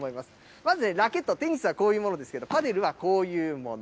まずラケット、テニスはこういうものですけど、パデルはこういうもの。